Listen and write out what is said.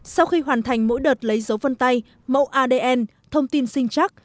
sau khi hoàn thành mỗi đợt lấy dấu vân tay mẫu adn thông tin sinh chắc